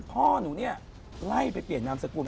พ่อหนูเนี่ยไล่ไปเปลี่ยนนามสกุล